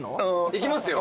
いきますよ。